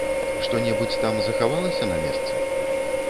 Што-небудзь там захавалася на месцы?